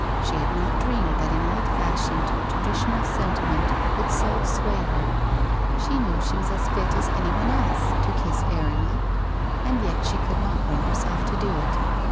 She had not dreamed that an old fashioned traditional Bentimeni could so sway her. She knew she was as lit ai anyone else to kiss $19 350 WHITE ROSE OF WEARY LEAF Erinna, and yet she could not bring herself to do it.